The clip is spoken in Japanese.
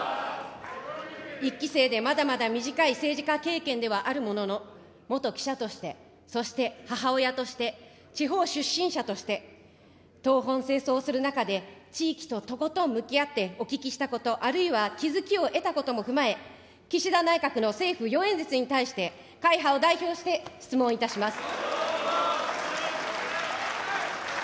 １期生でまだまだ短い政治家経験ではあるものの、元記者として、そして母親として、地方出身者として、東奔西走する中で、地域ととことん向き合ってお聞きしたこと、あるいは気付きを得たことを踏まえ、岸田内閣の政府４演説に対して、会派を代表して質問いたします。